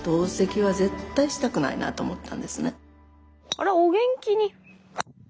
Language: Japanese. あらお元気に。